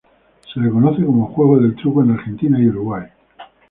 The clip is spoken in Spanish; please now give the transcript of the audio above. Se le conoce como juego del truco en Argentina y Uruguay.